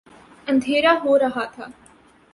اندھیرا ہو رہا تھا۔